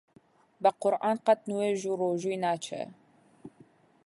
بە قورعان قەت نوێژ و ڕۆژووی ناچێ!